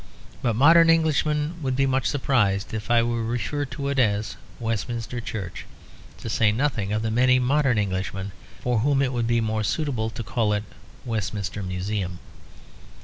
But modern Englishmen would be much surprised if I were to refer to it as Westminster Church; to say nothing of the many modern Englishmen for whom it would be more suitable to call it Westminster Museum.